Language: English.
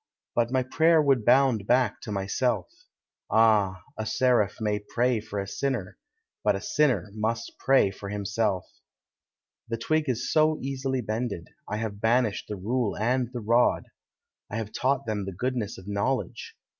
But my prayer would bound back to myself; Ah ! a seraph may pray for a sinner, Hut a sinner must pray for himself. The twig is so easily bended, I have banished the rule and the rod ; I have taught them the goodness of knowledge.